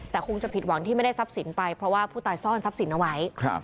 แต่คงจะผิดหวังที่ไม่ได้ทรัพย์สินไปเพราะว่าผู้ตายซ่อนทรัพย์สินเอาไว้